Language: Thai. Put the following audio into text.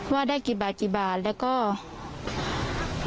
ความปลอดภัยของนายอภิรักษ์และครอบครัวด้วยซ้ำ